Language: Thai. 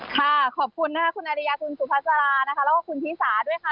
ค่ะขอบคุณค่ะคุณอริยาคุณสุภาษาแล้วก็คุณธิสาด้วยค่ะ